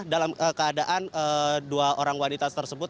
dalam keadaan dua orang wanita tersebut